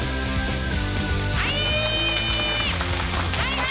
はい！